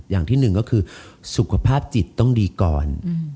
อย่างที่หนึ่งก็คือสุขภาพจิตต้องดีก่อน